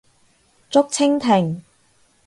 竹蜻蜓